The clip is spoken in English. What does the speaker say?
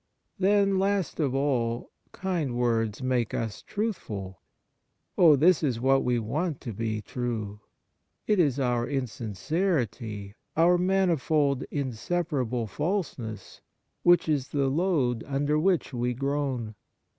Then, last of all, kind words make us truthful. Oh, this is what we want to be true ! It is our insincerity, our manifold inseparable falseness, which is the load under which we groan.